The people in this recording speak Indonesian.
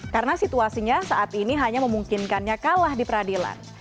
karena situasinya saat ini hanya memungkinkannya kalah di peradilan